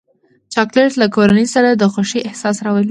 چاکلېټ له کورنۍ سره د خوښۍ احساس راولي.